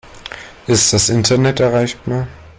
Ist das Internet erreichbar?